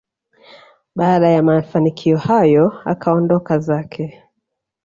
baada ya mafanikio hayo akaondoka zake